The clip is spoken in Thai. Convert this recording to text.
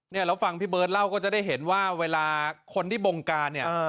แล้วฟังพี่เบิร์ตเล่าก็จะได้เห็นว่าเวลาคนที่บงการเนี่ย